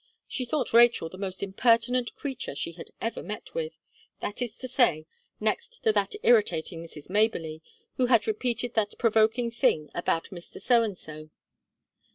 She thought Rachel the most impertinent creature she had ever met with that is to say, next to that irritating Mrs. Maberly, who had repeated that provoking thing about Mr. So and So.